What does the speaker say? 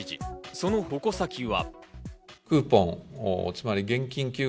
その矛先は。